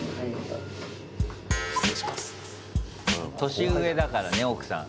年上だからね、奥さん。